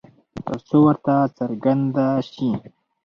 ترڅو ورته څرگنده شي